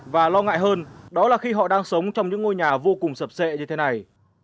và lo ngại hơn đó là khi họ đang sống trong những ngôi nhà vô cùng sập sệ như thế này